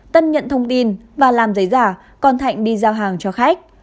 tân nhận thông tin và làm giấy giả còn thạnh đi giao hàng cho khách